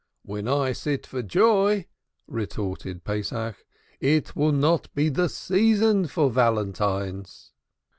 "When I sit for joy," retorted Pesach, "it will not be the season for valentines."